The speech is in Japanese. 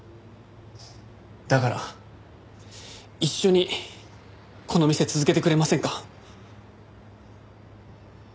だから一緒にこの店続けてくれませんか？